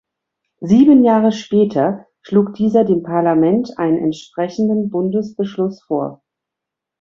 Sieben Jahre später schlug dieser dem Parlament einen entsprechenden Bundesbeschluss vor.